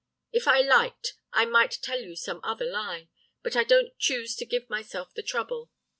If I liked, I might tell you some other lie, but I don't choose to give myself the trouble.